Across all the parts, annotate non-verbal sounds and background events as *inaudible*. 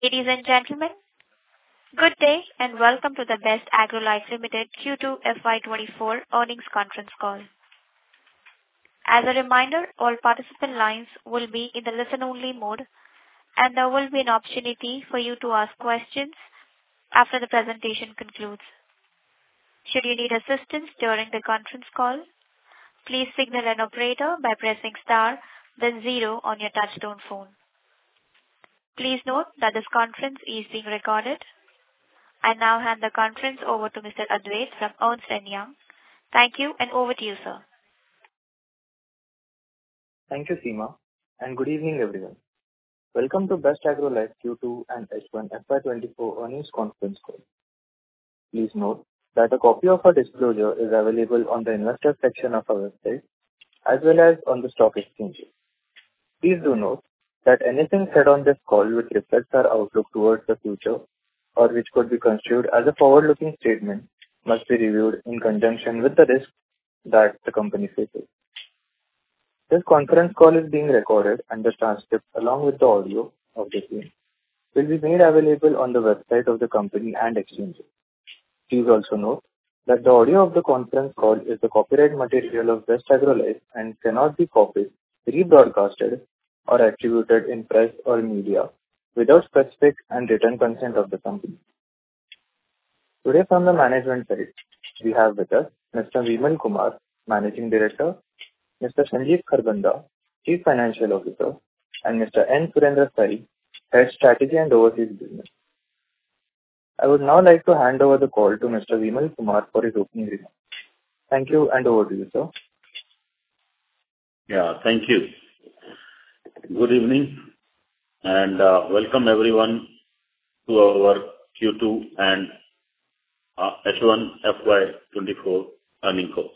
Ladies and gentlemen, good day, and welcome to the Best Agrolife Limited Q2 FY 2024 earnings conference call. As a reminder, all participant lines will be in the listen only mode, and there will be an opportunity for you to ask questions after the presentation concludes. Should you need assistance during the conference call, please signal an operator by pressing star, then zero on your touchtone phone. Please note that this conference is being recorded. I now hand the conference over to Mr. Advait from Ernst & Young. Thank you, and over to you, sir. Thank you, Seema, and good evening, everyone. Welcome to Best Agrolife Q2 and H1 FY 2024 earnings conference call. Please note that a copy of our disclosure is available on the investor section of our website, as well as on the stock exchanges. Please do note that anything said on this call which reflects our outlook towards the future or which could be construed as a forward-looking statement, must be reviewed in conjunction with the risk that the company faces. This conference call is being recorded, and the transcript, along with the audio of the same, will be made available on the website of the company and exchanges. Please also note that the audio of the conference call is the copyright material of Best Agrolife and cannot be copied, rebroadcast, or attributed in press or media without specific and written consent of the company. Today, from the management side, we have with us Mr. Vimal Kumar, Managing Director, Mr. Sanjeev Kharbanda, Chief Financial Officer, and Mr. N. Surendra Sai, Head, Strategy and Overseas Business. I would now like to hand over the call to Mr. Vimal Kumar for his opening remarks. Thank you, and over to you, sir. Yeah. Thank you. Good evening, and welcome, everyone, to our Q2 and H1 FY 2024 earnings call.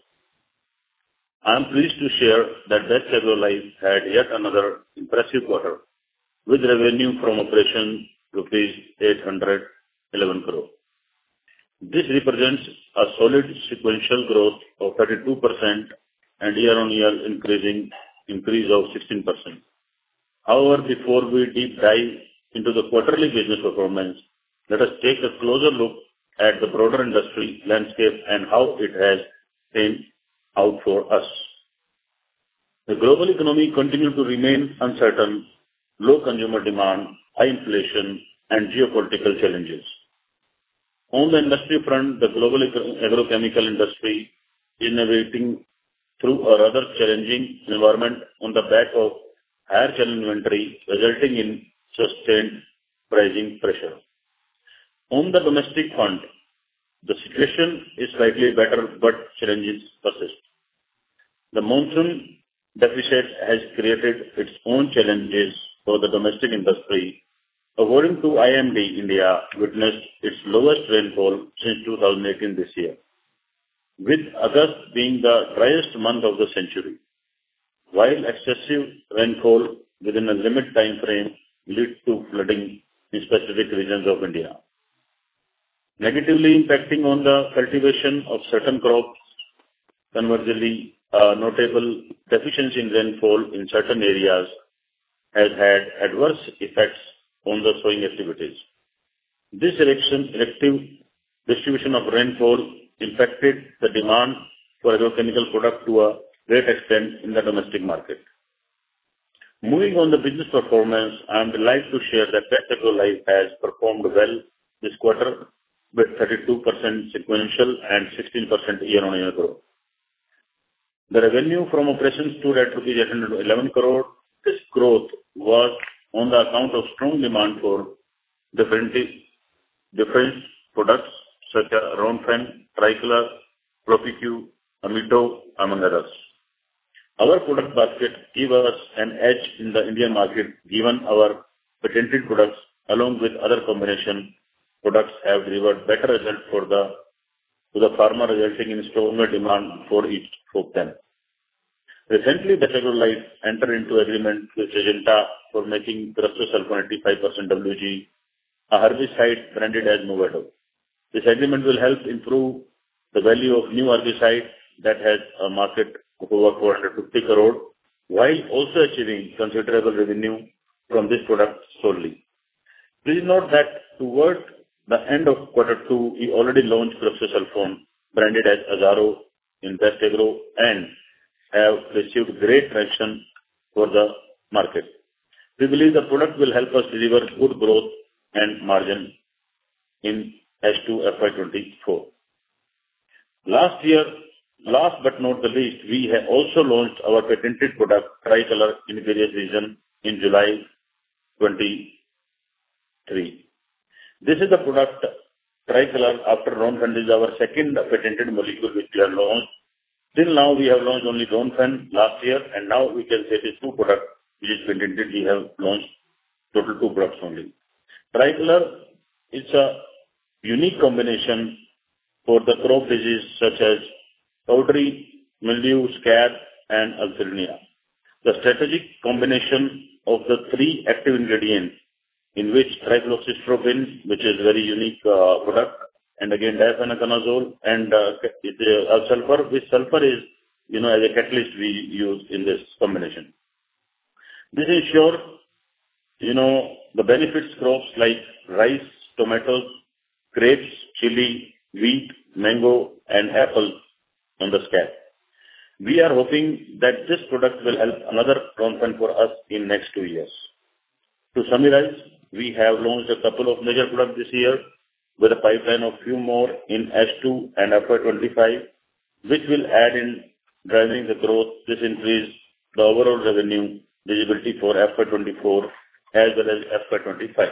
I'm pleased to share that Best Agrolife had yet another impressive quarter, with revenue from operations rupees 811 crore. This represents a solid sequential growth of 32% and year-on-year increasing, increase of 16%. However, before we deep dive into the quarterly business performance, let us take a closer look at the broader industry landscape and how it has panned out for us. The global economy continued to remain uncertain: low consumer demand, high inflation, and geopolitical challenges. On the industry front, the global agrochemical industry innovating through a rather challenging environment on the back of higher channel inventory, resulting in sustained pricing pressure. On the domestic front, the situation is slightly better, but challenges persist. The monsoon deficit has created its own challenges for the domestic industry. According to IMD, India witnessed its lowest rainfall since 2018 this year, with August being the driest month of the century. While excessive rainfall within a limited timeframe lead to flooding in specific regions of India, negatively impacting on the cultivation of certain crops, conversely, a notable deficiency in rainfall in certain areas has had adverse effects on the sowing activities. This erratic distribution of rainfall impacted the demand for agrochemical product to a great extent in the domestic market. Moving on the business performance, I'm delighted to share that Best Agrolife has performed well this quarter, with 32% sequential and 16% year-on-year growth. The revenue from operations stood at rupees 811 crore. This growth was on the account of strong demand for different products such as Ronfen Ultra, Tricolor, PropiQ, Amito, among others. Our product basket give us an edge in the Indian market, given our potential products along with other combination products, have delivered better results for the, to the farmer, resulting in stronger demand for each of them. Recently, Best Agrolife entered into agreement with Syngenta for making prosulfuron 25% WG, a herbicide branded as Movento. This agreement will help improve the value of new herbicide that has a market of over 450 crore, while also achieving considerable revenue from this product solely. Please note that towards the end of quarter two, we already launched prosulfuron, branded as Azaro, in Best Agrolife, and have received great traction for the market. We believe the product will help us deliver good growth and margin in H2 FY 2024. Last year. Last but not the least, we have also launched our patented product, Tricolor, in various regions in July 2023. This is the product, Tricolor, after Ronfen, and is our second patented molecule, which we have launched. Till now, we have launched only Ronfen last year, and now we can say this two product which is patented. We have launched total two products only. Tricolor is a unique combination for the crop diseases such as powdery mildew, scab, and alternaria. The strategic combination of the three active ingredients in which Trifloxystrobin, which is very unique, and again, Azoxystrobin and the sulfur, which sulfur is, you know, as a catalyst we use in this combination. This ensures, you know, the benefits to crops like rice, tomatoes, grapes, chili, wheat, mango, and apples on the scab. We are hoping that this product will be another compound for us in the next two years. To summarize, we have launched a couple of major products this year with a pipeline of a few more in H2 and FY 2025, which will aid in driving the growth. This increases the overall revenue visibility for FY 2024 as well as FY 2025.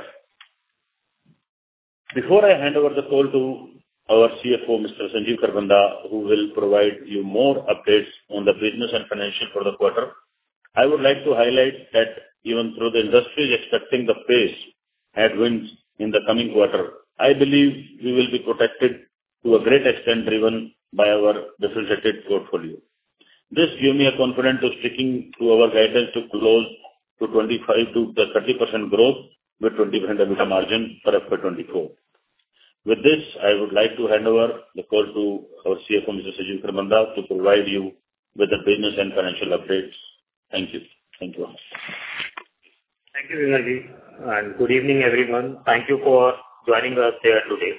Before I hand over the call to our CFO, Mr. Sanjeev Kharbanda, who will provide you with more updates on the business and financials for the quarter, I would like to highlight that even though the industry is expecting some headwinds in the coming quarter, I believe we will be protected to a great extent, driven by our differentiated portfolio. This gives me a confidence of sticking to our guidance to close to 25%-30% growth with 20% EBITDA margin for FY 2024. With this, I would like to hand over the call to our CFO, Mr. Sanjeev Kharbanda, to provide you with the business and financial updates. Thank you. Thank you very much. Thank you, *inaudible* and good evening, everyone. Thank you for joining us here today.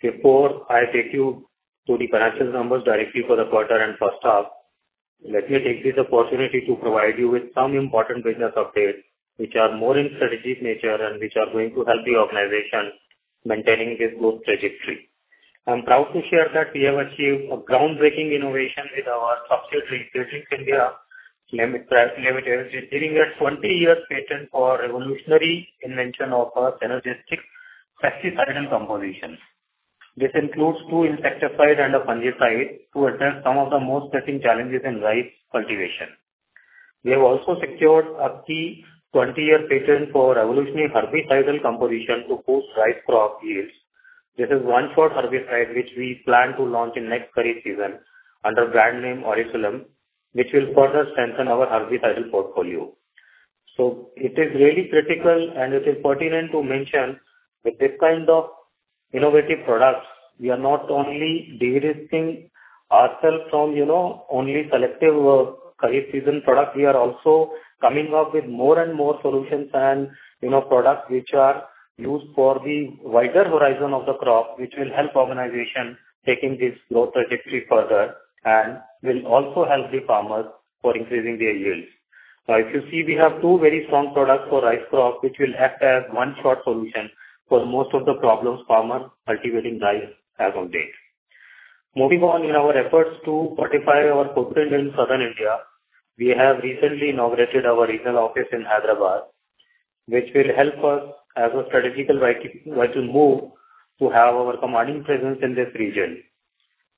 Before I take you to the financial numbers directly for the quarter and first half, let me take this opportunity to provide you with some important business updates, which are more in strategic nature and which are going to help the organization maintaining this growth trajectory. I'm proud to share that we have achieved a groundbreaking innovation with our subsidiary, Seedling India Private Limited, receiving a 20-year patent for revolutionary invention of a synergistic pesticidal composition. This includes two insecticide and a fungicide to address some of the most pressing challenges in rice cultivation. We have also secured a key 20-year patent for revolutionary herbicidal composition to boost rice crop yields. This is one-shot herbicide, which we plan to launch in next Kharif season under brand name Orisulam, which will further strengthen our herbicidal portfolio. So it is really critical, and it is pertinent to mention, with this kind of innovative products, we are not only de-risking ourselves from, you know, only selective, Kharif season product, we are also coming up with more and more solutions and, you know, products which are used for the wider horizon of the crop, which will help organization taking this growth trajectory further, and will also help the farmers for increasing their yields. Now, if you see, we have two very strong products for rice crop, which will act as one short solution for most of the problems farmers cultivating rice have on days. Moving on, in our efforts to fortify our footprint in southern India, we have recently inaugurated our regional office in Hyderabad, which will help us as a strategical vital, vital move to have our commanding presence in this region.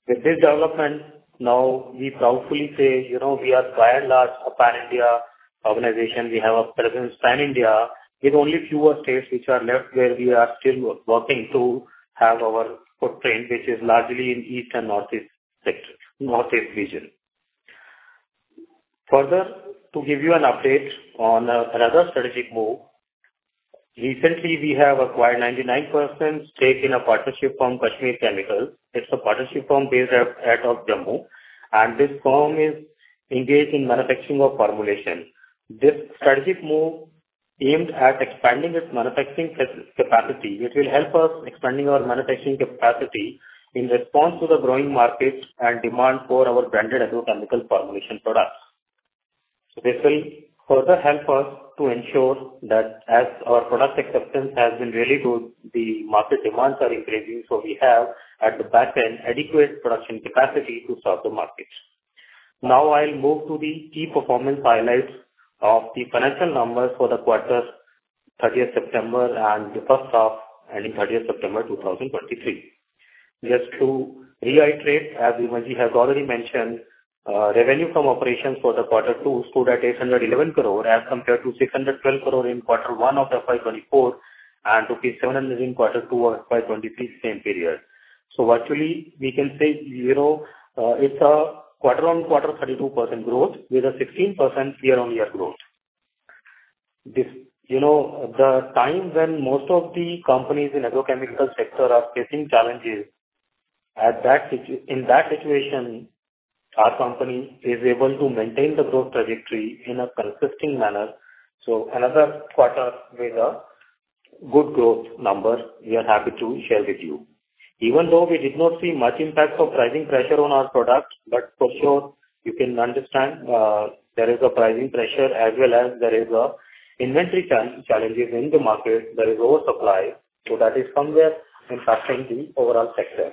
With this development, now we proudly say, you know, we are by and large a pan-India organization. We have a presence pan-India with only fewer states which are left, where we are still working to have our footprint, which is largely in east and northeast sectors, northeast region. Further, to give you an update on another strategic move, recently, we have acquired 99% stake in a partnership firm, Kashmir Chemicals. It's a partnership firm based at Jammu, and this firm is engaged in manufacturing of formulation. This strategic move aims at expanding its manufacturing capacity. It will help us expanding our manufacturing capacity in response to the growing markets and demand for our branded agrochemical formulation products. So this will further help us to ensure that as our product acceptance has been really good, the market demands are increasing, so we have, at the back end, adequate production capacity to serve the markets. Now, I'll move to the key performance highlights of the financial numbers for the quarter ended 30th September and the first half, ending 30th September 2023. Just to reiterate, as Vimal has already mentioned, revenue from operations for the quarter two stood at 811 crore, as compared to 612 crore in quarter one of the FY 2024, and rupees 700 crore in quarter two of FY 2023, same period. So virtually, we can say, you know, it's a quarter-on-quarter 32% growth, with a 16% year-on-year growth. This, you know, the time when most of the companies in agrochemical sector are facing challenges, at that in that situation, our company is able to maintain the growth trajectory in a consistent manner. So another quarter with a good growth number, we are happy to share with you. Even though we did not see much impact of pricing pressure on our products, but for sure, you can understand, there is a pricing pressure as well as there is a inventory challenge, challenges in the market. There is oversupply, so that is somewhere impacting the overall sector.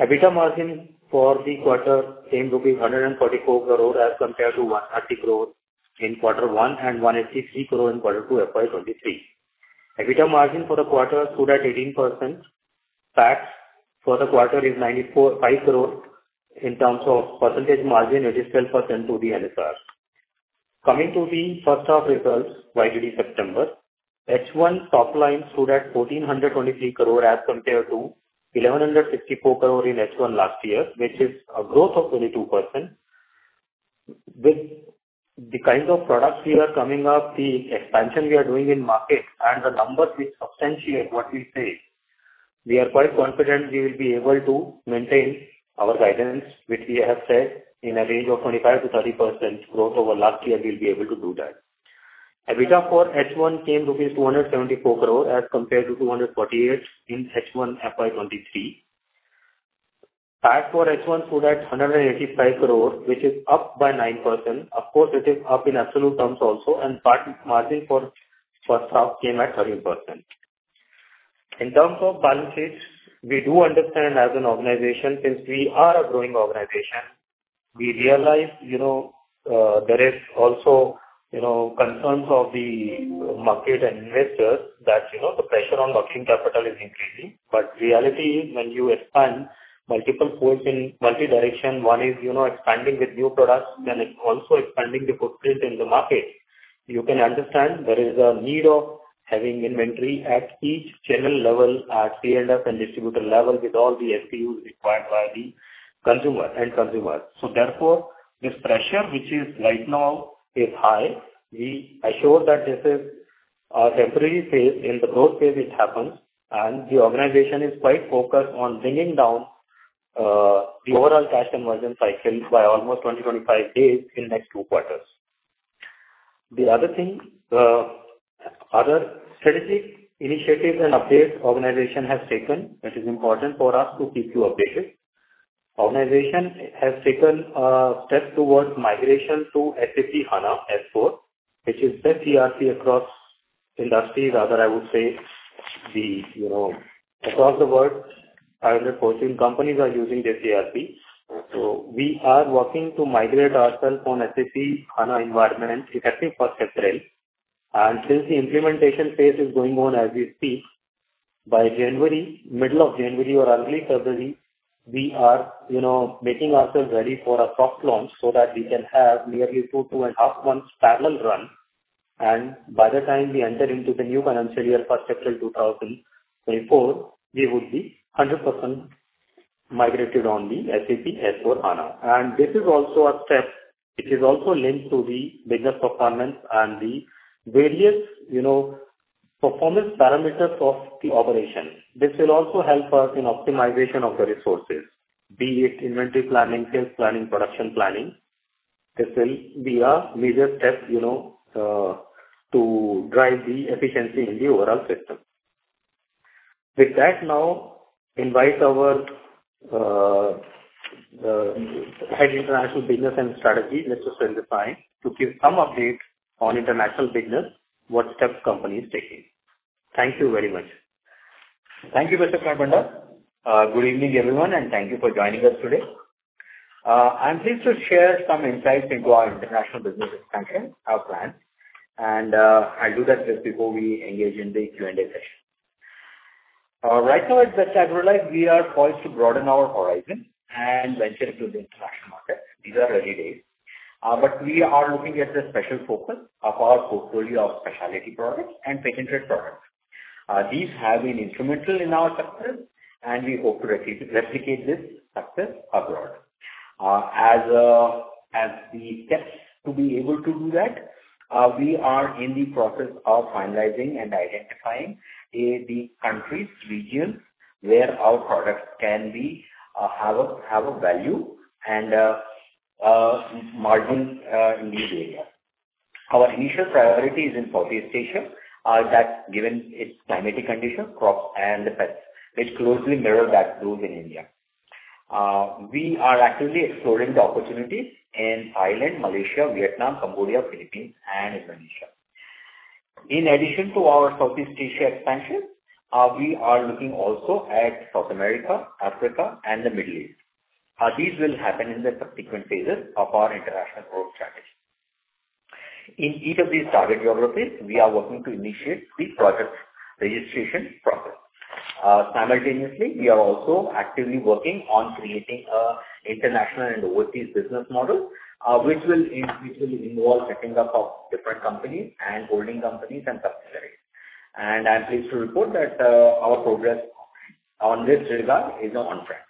EBITDA for the quarter was 144 crore, as compared to 130 crore in Q1, and 183 crore in Q2 FY 2023. EBITDA margin for the quarter stood at 18%. Tax for the quarter is 94.5 crore. In terms of percentage margin, it is 10% to the NSR. Coming to the first half results, YTD September, H1 top line stood at 1,423 crore, as compared to 1,154 crore in H1 last year, which is a growth of 22%. With the kinds of products we are coming up, the expansion we are doing in market, and the numbers which substantiate what we say, we are quite confident we will be able to maintain our guidance, which we have said in a range of 25%-30% growth over last year, we'll be able to do that. EBITDA for H1 came 274 crore rupees as compared to 248 crore in H1 FY 2023. Tax for H1 stood at 185 crore, which is up by 9%. Of course, it is up in absolute terms also, and EBITDA margin for first half came at 13%. In terms of balance sheets, we do understand as an organization, since we are a growing organization, we realize, you know, there is also, you know, concerns of the market and investors that, you know, the pressure on working capital is increasing. But reality is when you expand multiple fronts in multiple directions, one is, you know, expanding with new products, then it's also expanding the footprint in the market. You can understand there is a need of having inventory at each channel level, at CF and distributor level, with all the SPUs required by the consumer and consumers. So therefore, this pressure, which right now is high, we assure that this is a temporary phase. In the growth phase, it happens, and the organization is quite focused on bringing down the overall cash conversion cycles by almost 20-25 days in next two quarters. The other thing, other strategic initiatives and updates organization has taken, which is important for us to keep you updated. Organization has taken step towards migration to SAP S/4HANA, which is best ERP across industry. Rather, I would say the, you know, across the world, 500 Fortune companies are using this ERP. So we are working to migrate ourselves on SAP S/4HANA environment, effective for April. And since the implementation phase is going on as we speak, by January, middle of January or early February, we are, you know, making ourselves ready for a soft launch so that we can have nearly two- and-a-half months parallel run. And by the time we enter into the new financial year, April 1, 2024, we would be 100% migrated on the SAP S/4HANA. And this is also a step, which is also linked to the business performance and the various, you know, performance parameters of the operation. This will also help us in optimization of the resources, be it inventory planning, sales planning, production planning. This will be a major step, you know, to drive the efficiency in the overall system. With that, now invite our Head International Business and Strategy, Mr. Surendra Sai, to give some updates on international business, what steps company is taking. Thank you very much. Thank you, Mr. Kharbanda. Good evening, everyone, and thank you for joining us today. I'm pleased to share some insights into our international business expansion, our plan, and I'll do that just before we engage in the Q&A session. Right now at Best Agrolife, we are poised to broaden our horizon and venture into the international market. These are early days, but we are looking at the special focus of our portfolio of specialty products and patented products. These have been instrumental in our success, and we hope to replicate this success abroad. As the steps to be able to do that, we are in the process of finalizing and identifying the countries, regions, where our products can be, have a value and margin in this area. Our initial priority is in Southeast Asia, that given its climatic conditions, crops and the pests, which closely mirror those in India. We are actively exploring the opportunities in Thailand, Malaysia, Vietnam, Cambodia, Philippines and Indonesia. In addition to our Southeast Asia expansion, we are looking also at South America, Africa and the Middle East. These will happen in the subsequent phases of our international growth strategy. In each of these target geographies, we are working to initiate the product registration process. Simultaneously, we are also actively working on creating an international and overseas business model, which will involve setting up of different companies and holding companies and subsidiaries. And I'm pleased to report that, our progress in this regard is on track.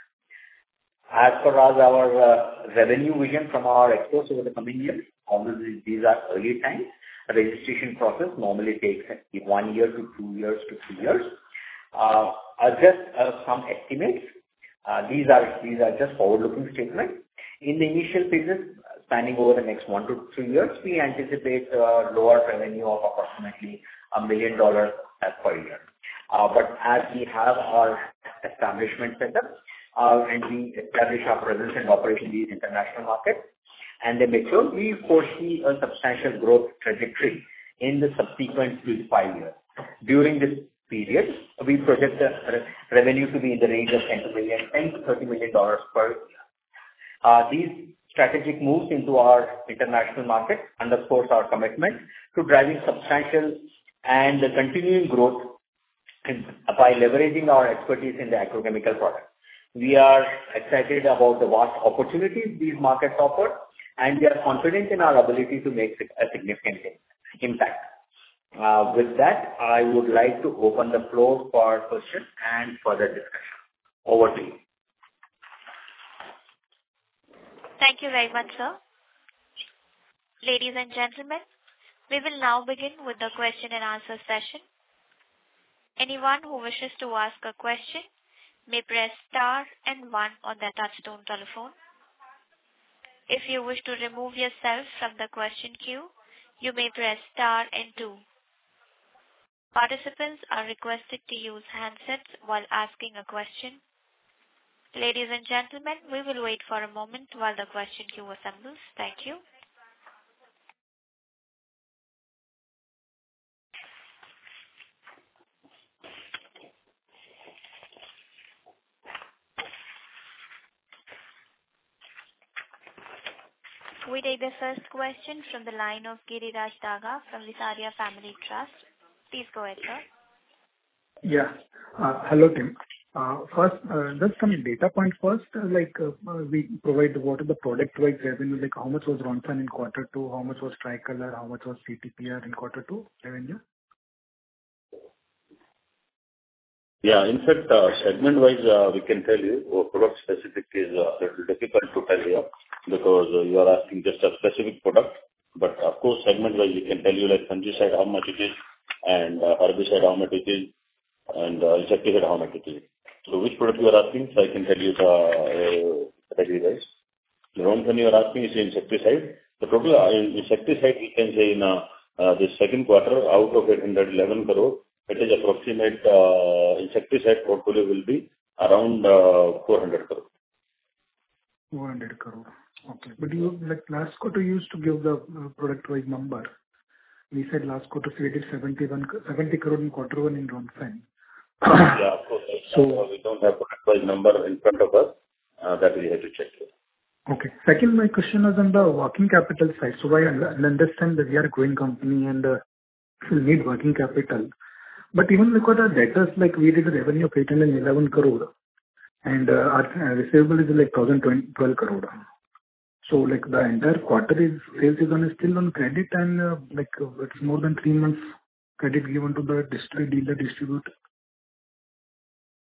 As far as our revenue vision from our exports over the coming years, obviously these are early times. Registration process normally takes 1-3 years. Just some estimates, these are just forward-looking statements. In the initial phases, spanning over the next 1-3 years, we anticipate lower revenue of approximately $1 million per year. But as we have our establishment set up, and we establish our presence and operation in the international market, and then make sure we foresee a substantial growth trajectory in the subsequent 2-5 years. During this period, we project the revenue to be in the range of $10 million-$30 million per year. These strategic moves into our international markets underscores our commitment to driving substantial and continuing growth in, by leveraging our expertise in the agrochemical products. We are excited about the vast opportunities these markets offer, and we are confident in our ability to make a significant impact.... with that, I would like to open the floor for questions and further discussion. Over to you. Thank you very much, sir. Ladies and gentlemen, we will now begin with the question and answer session. Anyone who wishes to ask a question may press star and one on their touchtone telephone. If you wish to remove yourself from the question queue, you may press star and two. Participants are requested to use handsets while asking a question. Ladies and gentlemen, we will wait for a moment while the question queue assembles. Thank you. We take the first question from the line of Giriraj Daga from the Visaria Family Trust. Please go ahead, sir. Yeah. Hello, Tim. First, just some data points first, like, we provide what are the product-wise revenue, like, how much was Ronfen in Quarter Two, how much was Tricolor, how much was CTPR in Quarter Two revenue? Yeah. In fact, segment-wise, we can tell you product specific is little difficult to tell you, because you are asking just a specific product. But of course, segment-wise, we can tell you, like, fungicide, how much it is, and herbicide, how much it is, and insecticide, how much it is. So which product you are asking, so I can tell you the category-wise. Ronfen, you are asking is insecticide. The total, insecticide, you can say in the second quarter out of 811 crore, it is approximate, insecticide portfolio will be around 400 crore. 400 crore. Okay. But you, like, last quarter, you used to give the product-wise number. You said last quarter, it is 71.70 crore in Quarter One in Rabi time. Yeah, of course. So- We don't have product-wide number in front of us. That we have to check it. Okay. Second, my question is on the working capital side. So I understand that we are a growing company, and we need working capital. But even because our debtors, like, we did a revenue of 811 crore, and our receivable is, like, 1,012 crore. So, like, the entire quarter's sales is still on credit, and like, it's more than three months credit given to the district, dealer, distributor.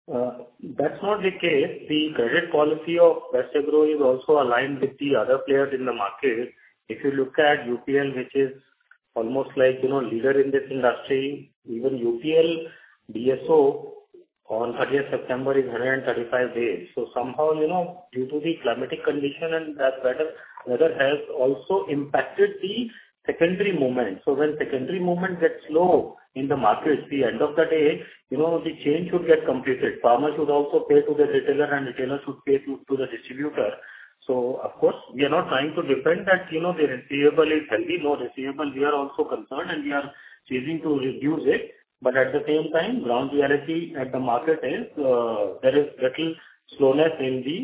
That's not the case. The credit policy of Best Agrolife is also aligned with the other players in the market. If you look at UPL, which is almost like, you know, leader in this industry, even UPL DSO on thirtieth September is 135 days. So somehow, you know, due to the climatic condition and that weather, weather has also impacted the secondary movement. So when secondary movement gets slow in the markets, the end of the day, you know, the chain should get completed. Farmers should also pay to the retailer, and retailers should pay to, to the distributor. So of course, we are not trying to defend that, you know, the receivable is healthy. No, receivable, we are also concerned, and we are chasing to reduce it. But at the same time, ground reality at the market is, there is little slowness in the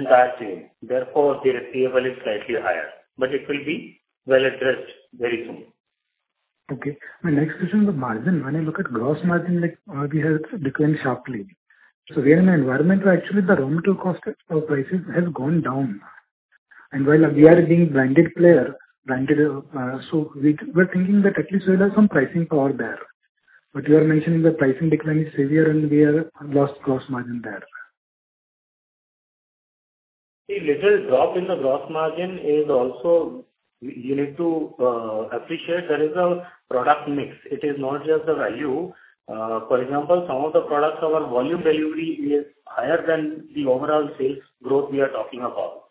entire chain, therefore, the receivable is slightly higher, but it will be well addressed very soon. Okay. My next question is the margin. When I look at gross margin, like, we have declined sharply. So we are in an environment where actually the raw material cost or prices has gone down. And while we are being branded player, branded, so we- we're thinking that at least we'll have some pricing power there. But you are mentioning the pricing decline is severe and we are lost gross margin there. A little drop in the gross margin is also. You need to appreciate there is a product mix. It is not just the value. For example, some of the products, our volume delivery is higher than the overall sales growth we are talking about.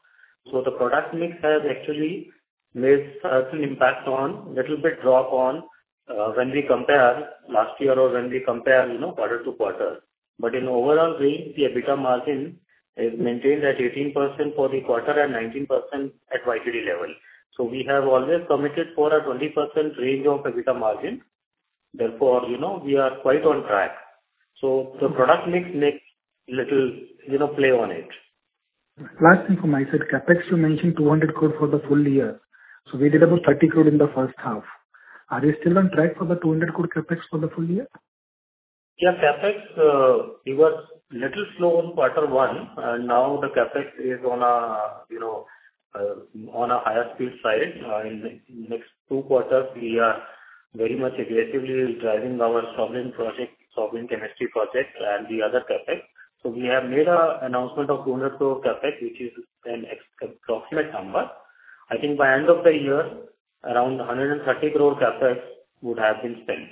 So the product mix has actually made certain impact on little bit drop on when we compare last year or when we compare, you know, quarter to quarter. But in overall range, the EBITDA margin is maintained at 18% for the quarter and 19% at YTD level. So we have always committed for a 20% range of EBITDA margin, therefore, you know, we are quite on track. So the product mix makes little, you know, play on it. Last thing from my side, CapEx, you mentioned 200 crore for the full year, so we did about 30 crore in the first half. Are you still on track for the 200 crore CapEx for the full year? Yeah, CapEx, it was little slow in Quarter One, and now the CapEx is on a, you know, on a higher speed side. In next two quarters, we are very much aggressively driving our soybean project, soybean chemistry project, and the other CapEx. So we have made a announcement of 200 crore CapEx, which is an approximate number. I think by end of the year, around 130 crore CapEx would have been spent.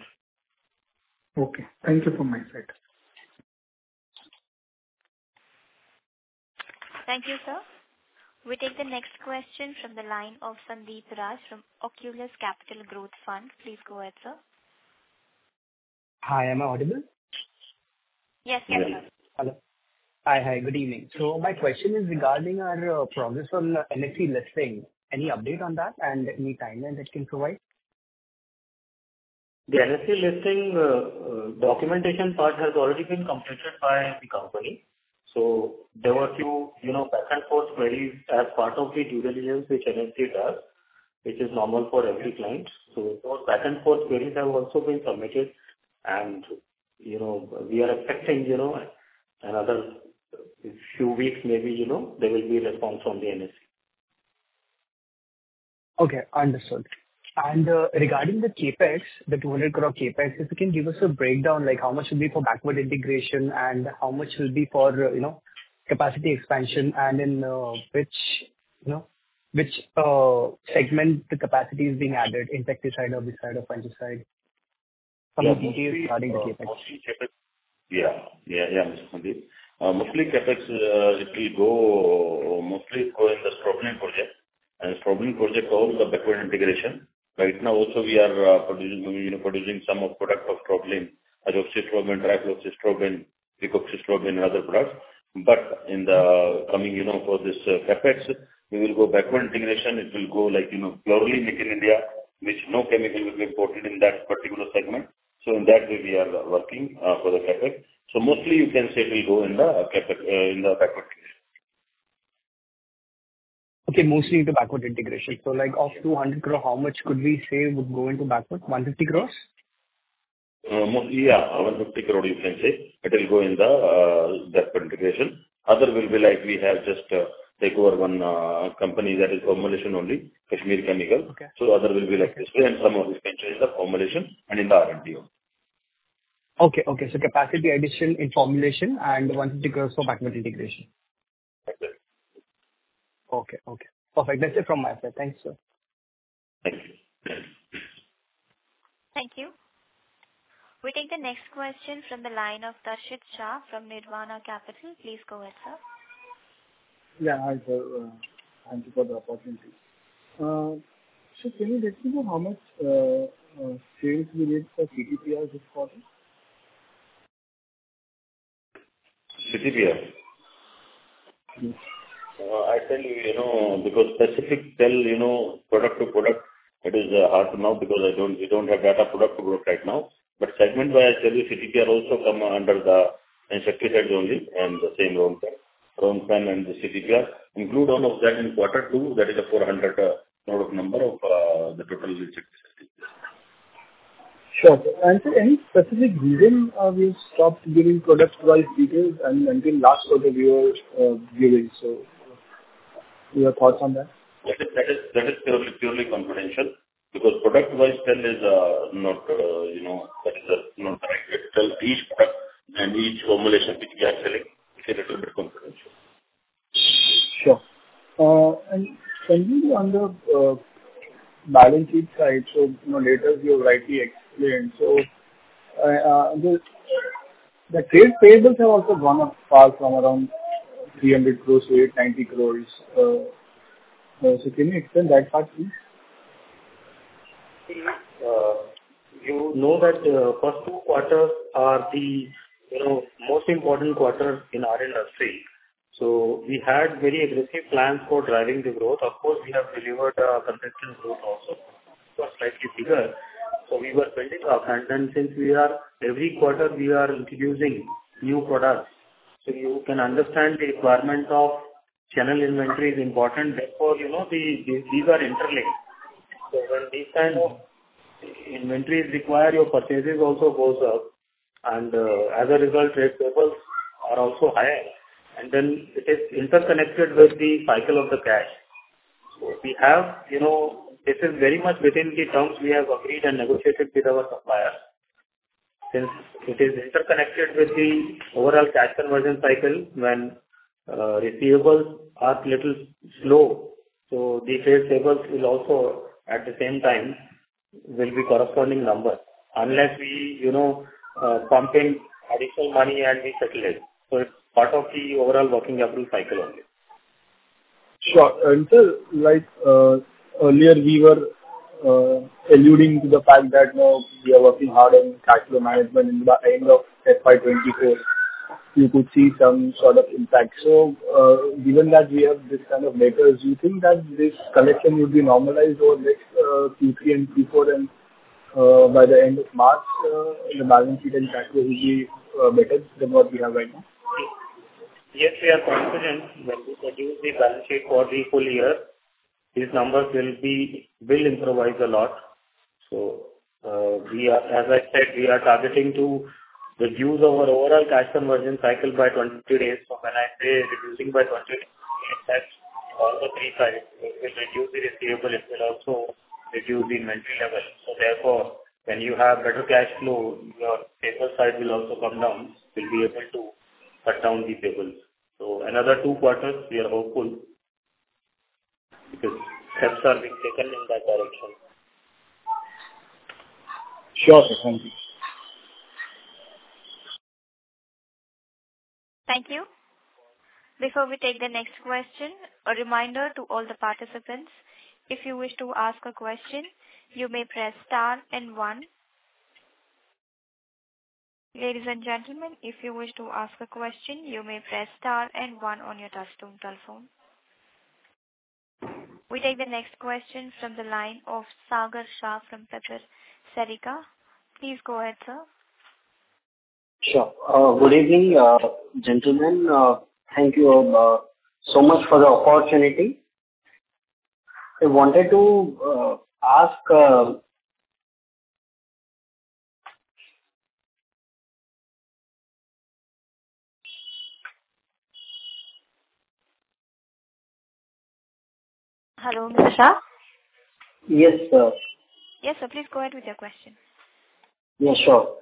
Okay. Thank you for my side. Thank you, sir. We take the next question from the line of Sandeep Raj from Oculus Capital Growth Fund. Please go ahead, sir. Hi, am I audible? Yes, you are. Hello. Hi. Hi, good evening. My question is regarding our progress on NSE listing. Any update on that and any timeline that you can provide? The NSE listing, documentation part has already been completed by the company. So there were few, you know, back and forth queries as part of the due diligence which NSE does, which is normal for every client. So those back and forth queries have also been submitted, and, you know, we are expecting, you know, another few weeks, maybe, you know, there will be a response from the NSE.... Okay, understood. And, regarding the CapEx, the 200 crore CapEx, if you can give us a breakdown, like how much should be for backward integration and how much will be for, you know, capacity expansion, and in, which, you know, which, segment the capacity is being added, insecticide or fungicide? Some of the details regarding CapEx. Yeah. Yeah, yeah, Mr. Sandeep. Mostly CapEx, it will go mostly go in the Strobilurin project, and Strobilurin project covers the backward integration. Right now, also we are producing, you know, producing some of product of Strobilurin, Azoxystrobin, Pyroxystrobin, Picoxystrobin, and other products. But in the coming, you know, for this CapEx, we will go backward integration. It will go like, you know, purely made in India, which no chemical will be imported in that particular segment. So in that way, we are working for the CapEx. So mostly you can say it will go in the CapEx in the backward integration. Okay, mostly the backward integration. So like of 200 crore, how much could we say would go into backward, 150 crores? Most, yeah, 150 crore, you can say, it will go in the backward integration. Other will be like we have just take over one company that is formulation only, Kashmir Chemicals. Okay. Other will be like this, and some of it can change the formulation and in the R&D. Okay, okay. So capacity addition in formulation and INR 150 crore for backward integration. Exactly. Okay, okay. Perfect. That's it from my side. Thank you, sir. Thank you. Thank you. We take the next question from the line of Darshit Shah from Nirvana Capital. Please go ahead, sir. Yeah, hi, sir. Thank you for the opportunity. So can you let me know how much sales you made for CTPR this quarter? CTPI? Mm-hmm. I tell you, you know, because specific tell, you know, product to product, that is, hard to know because I don't we don't have data product to product right now. But segment-wise, I tell you, CTPR also come under the insecticides only, and the same Ronfen. Ronfen and the CTPR include all of that in quarter two, that is a 400 crore number of, the total Sure. And so, any specific reason we stopped giving product-wise details? Until last quarter we were giving, so your thoughts on that? That is purely confidential, because product-wise sell is, not, you know, that is not right. It sell each product and each formulation which we are selling is a little bit confidential. Sure. Can you, on the balance sheet side, so you know, later you have rightly explained. So, the trade payables have also gone up far from around 300 crore to 89 crore. So can you explain that part, please? You know that first two quarters are the, you know, most important quarters in our industry. So we had very aggressive plans for driving the growth. Of course, we have delivered our projection growth also, was slightly bigger, so we were spending upfront. And since we are every quarter, we are introducing new products, so you can understand the requirement of general inventory is important. Therefore, you know, the, the, these are interlinked. So when these kind of inventories require, your purchases also goes up, and as a result, your payables are also higher. And then it is interconnected with the cycle of the cash. So we have, you know, this is very much within the terms we have agreed and negotiated with our suppliers. Since it is interconnected with the overall cash conversion cycle, when receivables are little slow, so the trade payables will also, at the same time, will be corresponding numbers, unless we, you know, pump in additional money and we settle it. So it's part of the overall working capital cycle only. Sure. And so, like, earlier, we were alluding to the fact that, you know, we are working hard on cash flow management in the end of FY 2024, you could see some sort of impact. So, given that we have this kind of metrics, do you think that this collection will be normalized over next Q3 and Q4, and by the end of March, in the balance sheet and cash will be better than what we have right now? Yes, we are confident when we produce the balance sheet for the full year, these numbers will be, will improve a lot. So, as I said, we are targeting to reduce our overall cash conversion cycle by 20 days. So when I say reducing by 20 days, that's all the three sides. It will reduce the receivable, it will also reduce the inventory level. So therefore, when you have better cash flow, your payables side will also come down. We'll be able to cut down the payables. So another two quarters, we are hopeful, because steps are being taken in that direction. Sure, sir. Thank you. Thank you. Before we take the next question, a reminder to all the participants, if you wish to ask a question, you may press star and one. Ladies and gentlemen, if you wish to ask a question, you may press star and one on your touchtone telephone. We take the next question from the line of Sagar Shah from Pragati Sarika. Please go ahead, sir. Sure. Good evening, gentlemen. Thank you so much for the opportunity. I wanted to ask- ... Hello, Mr. Shah? Yes, sir. Yes, sir, please go ahead with your question. Yeah, sure.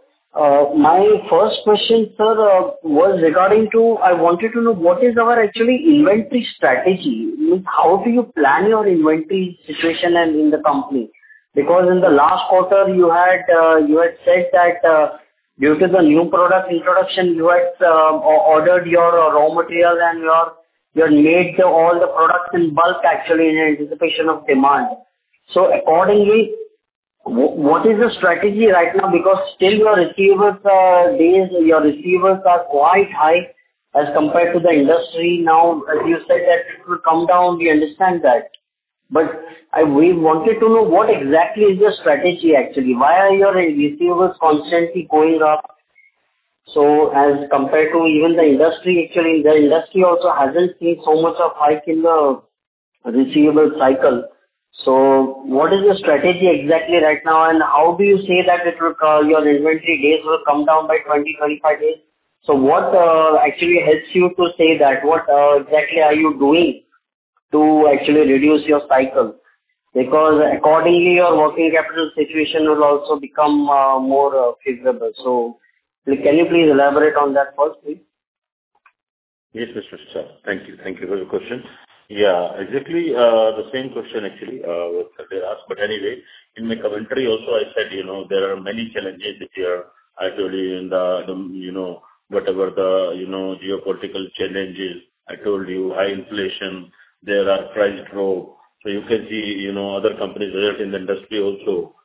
My first question, sir, was regarding to I wanted to know what is our actually inventory strategy? Means, how do you plan your inventory situation and in the company? Because in the last quarter, you had, you had said that, due to the new product introduction, you had, ordered your raw materials and your, you had made all the products in bulk, actually, in anticipation of demand. So accordingly, what is the strategy right now? Because still your receivables days, your receivables are quite high as compared to the industry now. As you said, that it will come down, we understand that. But I we wanted to know what exactly is your strategy, actually. Why are your receivables constantly going up, so as compared to even the industry actually? The industry also hasn't seen so much of hike in the receivables cycle. So what is your strategy exactly right now, and how do you say that it will, your inventory days will come down by 20-25 days? So what actually helps you to say that? What exactly are you doing to actually reduce your cycle? Because accordingly, your working capital situation will also become more favorable. So can you please elaborate on that first, please? Yes, Mr. Shah. Thank you, thank you for the question. Yeah, exactly, the same question actually, what they asked, but anyway, in my commentary also, I said, you know, there are many challenges which are actually in the, you know, whatever the, you know, geopolitical challenges. I told you, high inflation, there are price growth. So you can see, you know, other companies there in the industry also.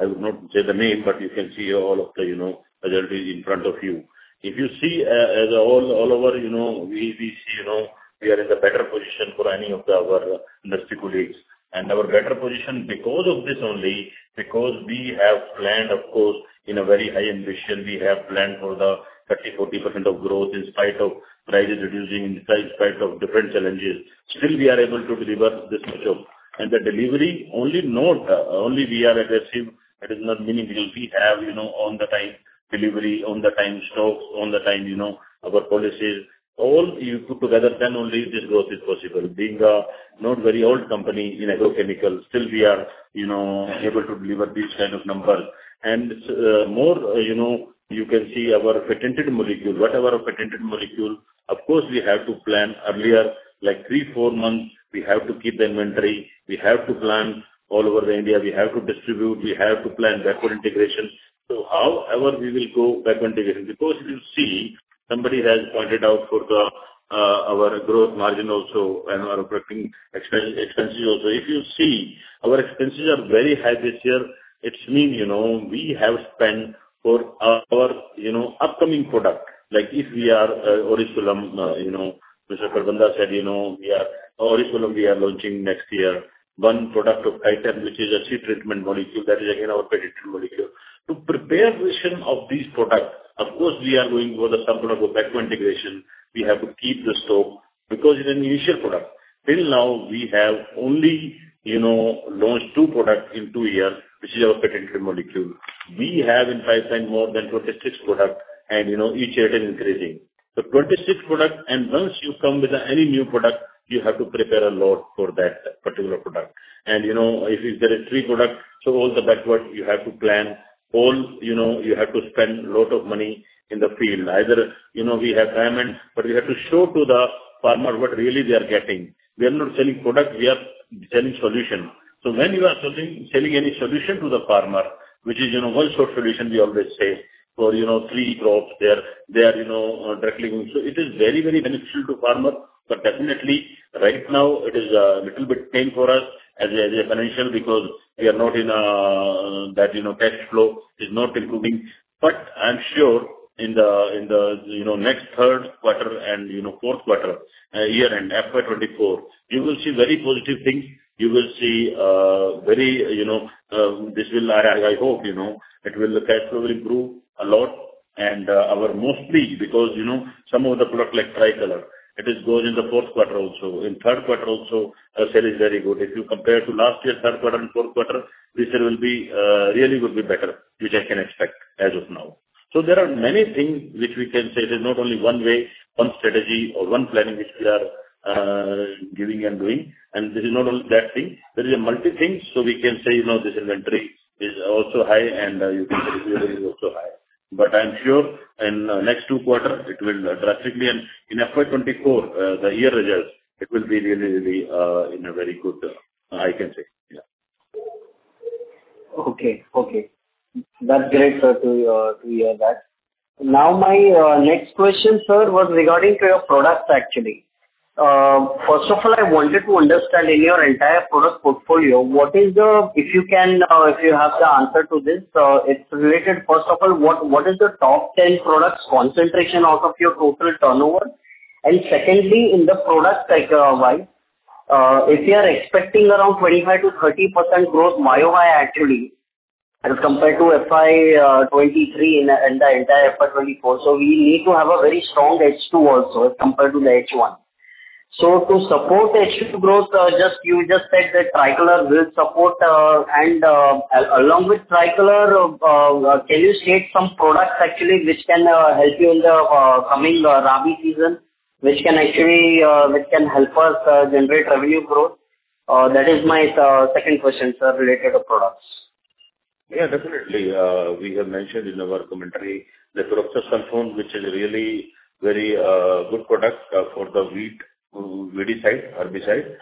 I would not say the name, but you can see all of the, you know, results in front of you. If you see, as all, all over, you know, we, we see, you know, we are in a better position for any of our industry colleagues. Our better position because of this only, because we have planned, of course, in a very high ambition, we have planned for the 30%-40% growth in spite of prices reducing, in spite of different challenges, still we are able to deliver this much of. And the delivery only know the—only we are aggressive, that is not meaning we have, you know, on the time delivery, on the time stocks, on the time, you know, our policies. All you put together, then only this growth is possible. Being a not very old company in agrochemicals, still we are, you know, able to deliver this kind of number. More, you know, you can see our patented molecule, whatever our patented molecule, of course, we have to plan earlier, like 3-4 months, we have to keep the inventory, we have to plan all over India, we have to distribute, we have to plan backward integration. So however, we will go backward integration, because you see, somebody has pointed out for the our gross margin also and our working expenses also. If you see, our expenses are very high this year, I mean, you know, we have spent for our, you know, upcoming product. Like if we are Orisulam, you know, Mr. Kharbanda said, you know, we are Orisulam we are launching next year. One product of item, which is a seed treatment molecule, that is again, our patented molecule. To prepare versions of these products, of course, we are going for some kind of a backward integration. We have to keep the stock, because it's an initial product. Till now, we have only, you know, launched 2 products in 2 years, which is our patented molecule. We have in pipeline more than 26 products, and you know, each year it is increasing. The 26 products, and once you come with any new product, you have to prepare a lot for that particular product. And, you know, if there are 3 products, so all the backward you have to plan, all, you know, you have to spend a lot of money in the field. Either, you know, we have time, but we have to show to the farmer what really they are getting. We are not selling product, we are selling solution. So when you are selling, selling any solution to the farmer, which is, you know, one stop solution, we always say, for you know, three crops, they are, they are, you know, directly. So it is very, very beneficial to farmer, but definitely right now it is, little bit pain for us as a, as a financial because we are not in, that, you know, cash flow is not improving. But I'm sure in the, in the, you know, next third quarter and, you know, fourth quarter, year-end, FY 2024, you will see very positive things. You will see, very, you know, this will I, I, I hope, you know, it will the cash flow improve a lot and, our mostly because, you know, some of the product like Tricolor, it is going in the fourth quarter also. In third quarter also, sale is very good. If you compare to last year, third quarter and fourth quarter, this year will be really will be better, which I can expect as of now. So there are many things which we can say. There's not only one way, one strategy or one planning which we are giving and doing, and this is not only that thing, there is a multi thing. So we can say, you know, this inventory is also high and you can see it is also high. But I'm sure in next two quarters, it will drastically and in FY 2024, the year results, it will be really, really in a very good, I can say. Yeah. Okay. Okay, that's great, sir, to hear that. Now, my next question, sir, was regarding to your products, actually. First of all, I wanted to understand in your entire product portfolio, what is the... If you can, if you have the answer to this, it's related, first of all, what is the top 10 products concentration out of your total turnover? And secondly, in the product cycle life, if you are expecting around 25%-30% growth year-over-year actually, as compared to FY 2023 and the entire FY 2024, so we need to have a very strong H2 also as compared to the H1. So to support H2 growth, just, you just said that Tricolor will support, and along with Tricolor, can you state some products actually which can help you in the coming Rabi season, which can actually help us generate revenue growth? That is my second question, sir, related to products. Yeah, definitely. We have mentioned in our commentary the product of prosulfuron, which is really very good product for the wheat weedicide herbicide,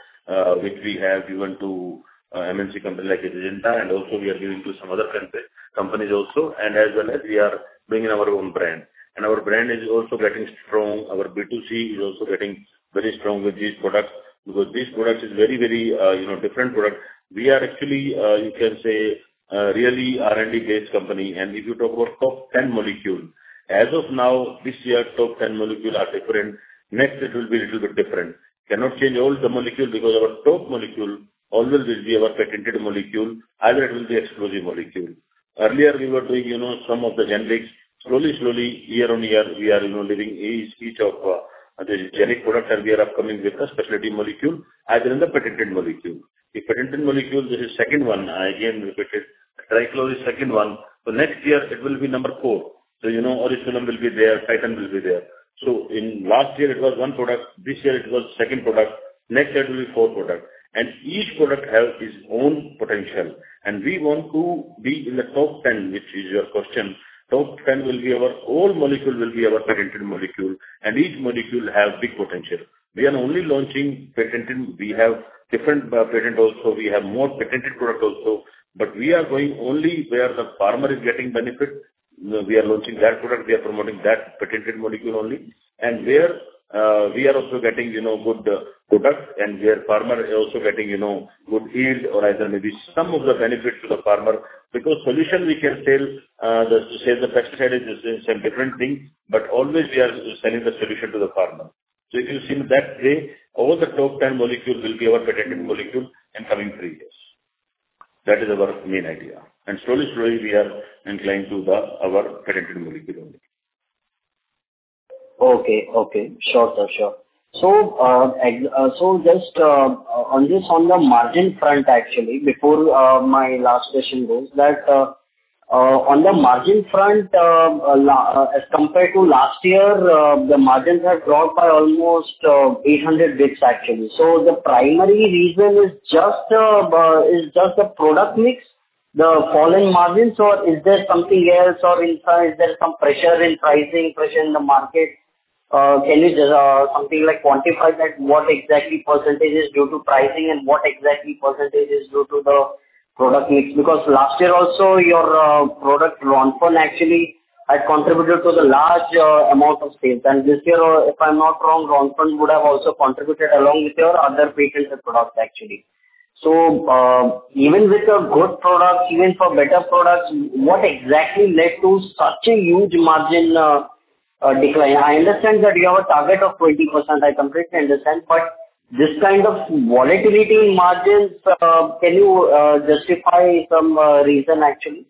which we have given to MNC company like Syngenta, and also we are giving to some other company, companies also, and as well as we are bringing our own brand. And our brand is also getting strong. Our B2C is also getting very strong with these products, because these products is very, very you know, different product. We are actually, you can say, really R&D-based company. And if you talk about top ten molecule, as of now, this year, top ten molecule are different. Next, it will be little bit different. Cannot change all the molecule because our top molecule always will be our patented molecule, either it will be exclusive molecule. Earlier we were doing, you know, some of the generics. Slowly, slowly, year on year, we are, you know, leaving each, each of, the generic product, and we are upcoming with a specialty molecule, as well as the patented molecule. The patented molecule, this is second one, I again repeated. Tricolor is second one, so next year it will be number four. So, you know, Orisulam will be there, Titan will be there. So in last year it was one product, this year it was second product. Next year it will be four product. And each product have its own potential, and we want to be in the top 10, which is your question. Top 10 will be our... All molecule will be our patented molecule, and each molecule have its own big potential. We are only launching patented. We have different, patent also. We have more patented product also, but we are going only where the farmer is getting benefit. We are launching that product, we are promoting that patented molecule only. And there, we are also getting, you know, good product, and where farmer is also getting, you know, good yield or either maybe some of the benefit to the farmer, because solution we can sell, the, say, the pesticide is a different thing, but always we are selling the solution to the farmer. So if you see in that way, all the top ten molecules will be our patented molecule in coming three years. That is our main idea. And slowly, slowly, we are inclined to the, our patented molecule only. Okay. Okay. Sure, sir, sure. So, on this, on the margin front, actually, before my last question goes, that, on the margin front, as compared to last year, the margins have dropped by almost 800 basis points, actually. So the primary reason is just the product mix, the falling margins, or is there something else, or is there some pressure in pricing, pressure in the market? Can you something like quantify that, what exactly percentage is due to pricing and what exactly percentage is due to the product mix? Because last year also, your product Ronfen actually had contributed to the large amount of sales. And this year, if I'm not wrong, Ronfen would have also contributed along with your other patented products, actually. So, even with a good product, even for better products, what exactly led to such a huge margin decline? I understand that you have a target of 20%. I completely understand, but this kind of volatility in margins, can you justify some reason actually?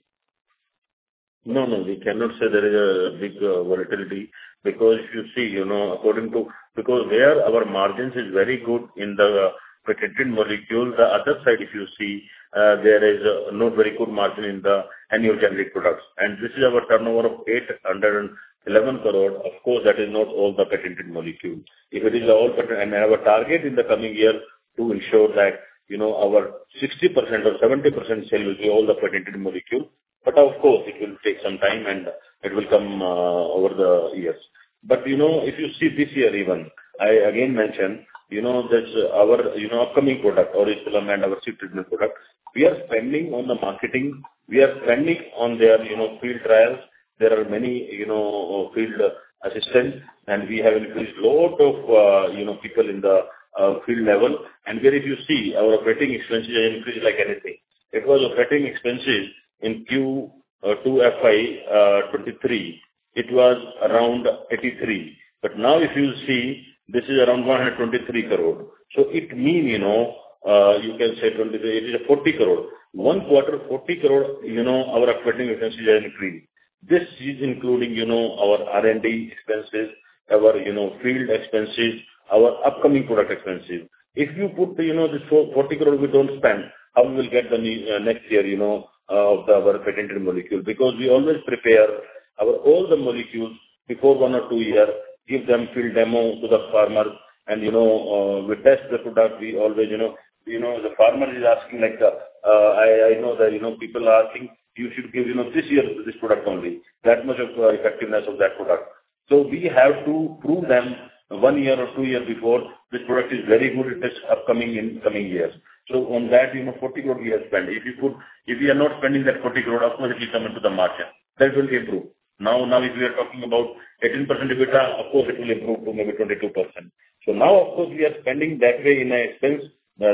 No, no, we cannot say there is a big volatility, because if you see, you know, according to... Because where our margins is very good in the patented molecule, the other side, if you see, there is not very good margin in the annual generic products. And this is our turnover of 811 crore. Of course, that is not all the patented molecules. If it is all patent, and our target in the coming year to ensure that, you know, our 60% or 70% sale will be all the patented molecule, but of course, it will take some time, and it will come over the years. But, you know, if you see this year even, I again mention, you know, that our, you know, upcoming product, Orisulam, and our seed treatment product, we are spending on the marketing, we are spending on their, you know, field trials. There are many, you know, field assistants, and we have increased lot of, you know, people in the field level. And there if you see, our operating expenses increased like anything. Because operating expenses in Q2 FY 2023, it was around 83 crore, but now if you see, this is around 123 crore. So it mean, you know, you can say 20, it is a 40 crore. One quarter, 40 crore, you know, our operating expenses are increased. This is including, you know, our R&D expenses, our, you know, field expenses, our upcoming product expenses. If you put, you know, this 40 crore we don't spend, how we will get the new, next year, you know, of our patented molecule? Because we always prepare our all the molecules before one or two year, give them field demo to the farmer, and, you know, we test the product. We always, you know, you know, the farmer is asking, like, I, I know that, you know, people are asking, "You should give, you know, this year, this product only." That much of, effectiveness of that product. So we have to prove them one year or two year before, this product is very good at this upcoming, in coming years. So on that, you know, 40 crore we have spent. If you put- if we are not spending that 40 crore, of course, it will come into the margin. That will improve. Now, now if we are talking about 18% EBITDA, of course, it will improve to maybe 22%. So now, of course, we are spending that way in our expense,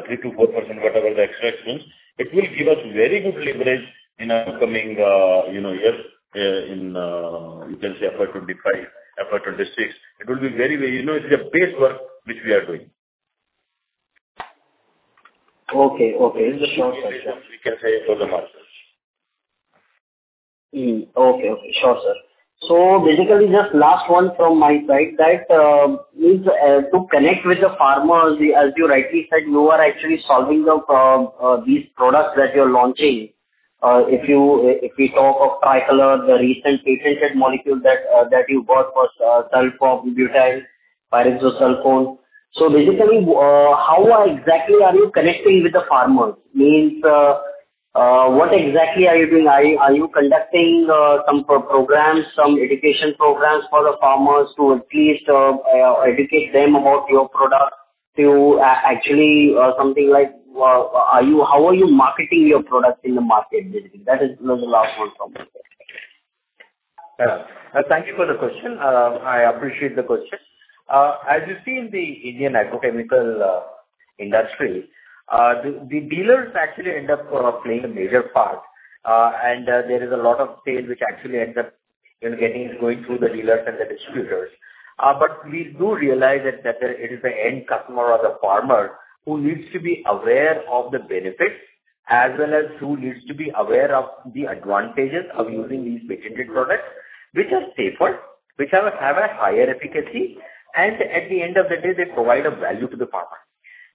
three to four percent, whatever the extra expense, it will give us very good leverage in our upcoming, you know, years, in, you can say FY 2025, FY 2026. It will be very, very... You know, it's a base work which we are doing.... Okay, okay. Sure, sir. Mm, okay, okay. Sure, sir. So basically, just last one from my side, that means to connect with the farmers, as you rightly said, you are actually solving these products that you're launching. If you, if we talk of Tricolor, the recent patented molecule that that you bought for sulfoxibutyl, pyroxosulfone. So basically, how exactly are you connecting with the farmers? Means, what exactly are you doing? Are you, are you conducting some programs, some education programs for the farmers to at least educate them about your product? Actually, something like, are you? How are you marketing your products in the market basically? That is, you know, the last one from my side. Thank you for the question. I appreciate the question. As you see in the Indian agrochemical industry, the dealers actually end up playing a major part. And there is a lot of sales which actually end up, you know, getting going through the dealers and the distributors. But we do realize that it is the end customer or the farmer who needs to be aware of the benefits, as well as who needs to be aware of the advantages of using these patented products, which are safer, which have a higher efficacy, and at the end of the day, they provide a value to the farmer.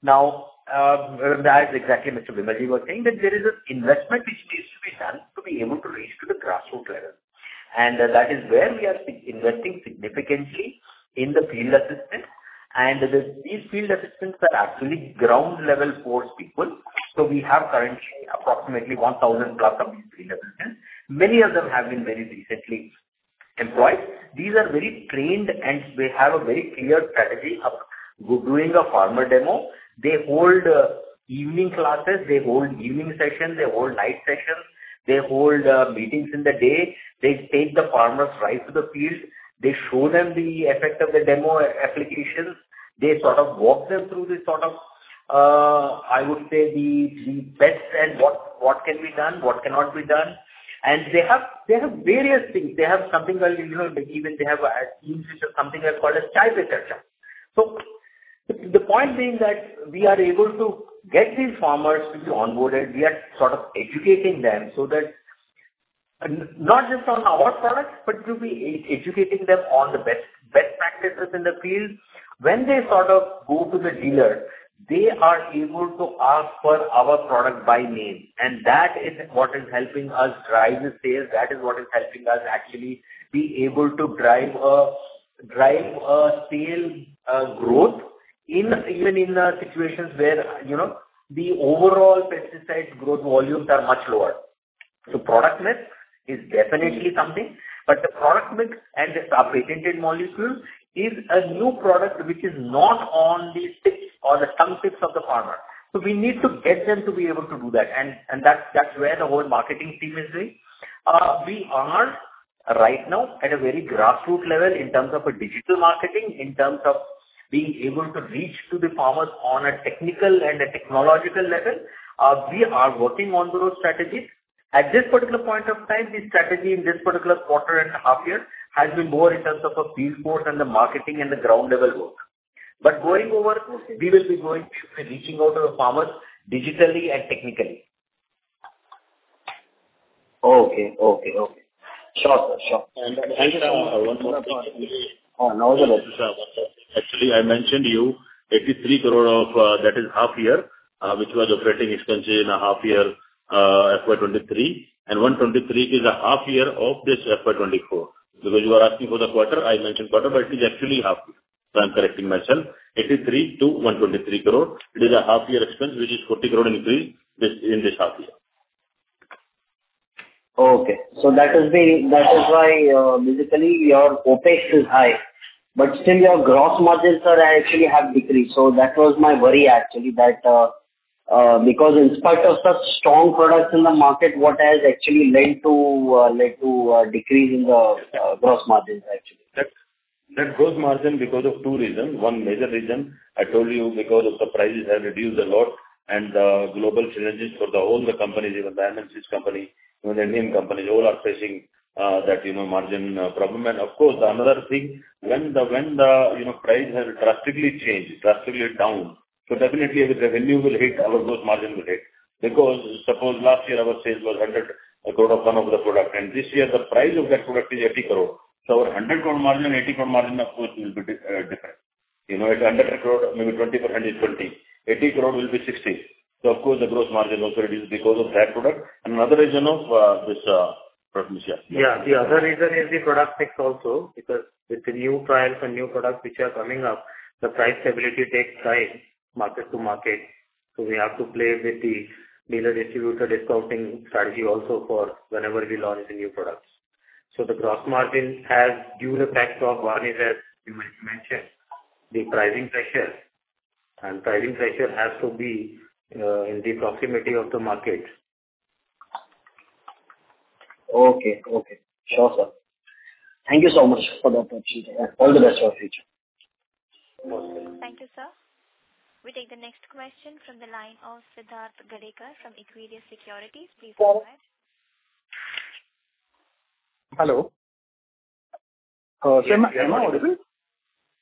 Now, that is exactly what Mr. Vimal was saying, that there is an investment which needs to be done to be able to reach to the grassroots level. And that is where we are investing significantly in the field assistance. And these field assistants are actually ground level force people. So we have currently approximately 1,000 plus of these field assistants. Many of them have been very recently employed. These are very trained, and they have a very clear strategy of doing a farmer demo. They hold evening classes, they hold evening sessions, they hold night sessions, they hold meetings in the day. They take the farmers right to the field. They show them the effect of the demo applications. They sort of walk them through the sort of, I would say, the best and what can be done, what cannot be done. And they have, they have various things. They have something called, you know, even they have a teams which have something called as child researcher. So the point being that we are able to get these farmers to be onboarded, we are sort of educating them so that not just on our products, but to be educating them on the best practices in the field. When they sort of go to the dealer, they are able to ask for our product by name, and that is what is helping us drive the sales. That is what is helping us actually be able to drive a sales growth in even situations where, you know, the overall pesticide growth volumes are much lower. So product mix is definitely something, but the product mix and our patented molecule is a new product, which is not on the tips or the tongue tips of the farmer. So we need to get them to be able to do that, and, and that's, that's where the whole marketing team is in. We are right now at a very grassroots level in terms of a digital marketing, in terms of being able to reach to the farmers on a technical and a technological level. We are working on those strategies. At this particular point of time, the strategy in this particular quarter and half year has been more in terms of a field force and the marketing and the ground level work. But going forward, we will be going, reaching out to the farmers digitally and technically. Okay, okay, okay. Sure, sure. And, one more part. Oh, now go ahead. Actually, I mentioned to you 83 crore of, that is half year, which was operating expense in a half year, FY 2023, and 123 crore is a half year of this FY 2024. Because you are asking for the quarter, I mentioned quarter, but it is actually half year. So I'm correcting myself, 83 crore-123 crore. It is a half year expense, which is 40 crore increase, this, in this half year. Okay. So that is the, that is why, basically your OpEx is high, but still your gross margins are actually have decreased. So that was my worry actually that, because in spite of such strong products in the market, what has actually led to, led to, decrease in the, gross margins, actually? That gross margin because of two reasons. One major reason I told you, because of the prices have reduced a lot, and global synergies for the whole, the companies, even the MNCs company, even the Indian companies, all are facing that, you know, margin problem. And of course, another thing, when the, when the, you know, price has drastically changed, drastically down, so definitely the revenue will hit, our gross margin will hit. Because suppose last year our sales was 100 crore of one of the product, and this year the price of that product is 80 crore. So our 100 crore margin and 80 crore margin, of course, will be different. You know, at 100 crore, maybe 20% is 20, 80 crore will be 60. So of course, the gross margin also reduced because of that product. Another reason of this Prathamesh, yeah. Yeah, the other reason is the product mix also, because with the new trials and new products which are coming up, the price stability takes time, market to market. So we have to play with the dealer, distributor, discounting strategy also for whenever we launch the new products. So the gross margin has, due to the fact of one is, as you mentioned, the pricing pressure, and pricing pressure has to be in the proximity of the market. Okay, okay. Sure, sir. Thank you so much for the opportunity, and all the best for the future. Thank you, sir. We take the next question from the line of Siddharth Gadekar from Equirus Securities. Please go ahead.... Hello. Sir, am I, am I audible?